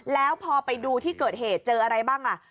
แล้วพอไปดูที่เกิดเหตุเจออะไรบ้างล่ะ